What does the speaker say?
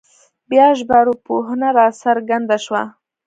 بیا ژبارواپوهنه راڅرګنده شوه